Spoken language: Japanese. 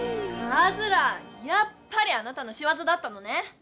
カズラーやっぱりあなたのしわざだったのね！